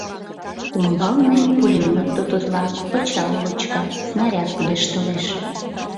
Умбалне пулемёт тототла, пычал лочка, снаряд пудештылеш...